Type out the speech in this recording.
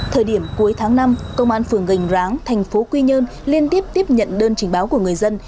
thời điểm cuối tháng năm công an phường gành ráng thành phố quy nhơn liên tiếp tiếp nhận đơn trình báo của người dân